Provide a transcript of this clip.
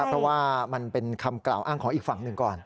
เพราะว่ามันเป็นคำกล่าวอ้างของอีกฝั่งหนึ่งก่อน